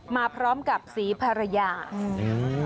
มาพร้อมกับศรีภรรยาอืม